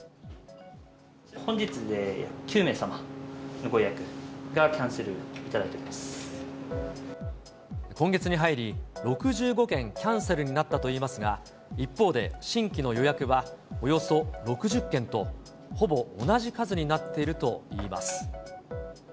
本日で９名様のご予約がキャ今月に入り、６５件キャンセルになったといいますが、一方で、新規の予約はおよそ６０件と、ほぼ同じ数になっているといいます。